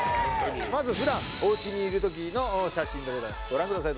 まず普段おうちにいる時の写真でございますご覧ください